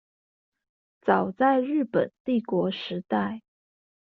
早在日本帝國時代